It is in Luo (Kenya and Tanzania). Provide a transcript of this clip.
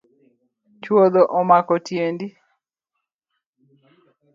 Chwodho omako tiendi.